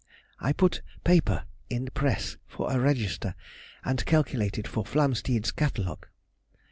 _—I put paper in press for a register, and calculated for Flamsteed's Catalogue.